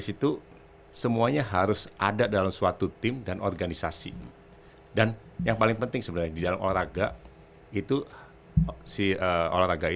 semua orang mempunyai kepentingan